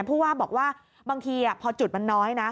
ผู้ว่าบอกว่าบางทีพอจุดมันน้อยนะ